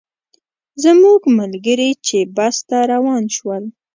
زموږ ملګري چې بس ته روان شول.